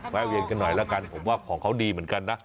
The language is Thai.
แวนกันหน่อยแล้วกันผมว่าของเขาดีเหมือนกันนะ